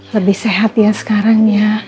lebih sehat ya sekarang ya